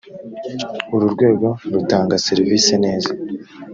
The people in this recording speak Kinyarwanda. uru rwego rutanga servisi neza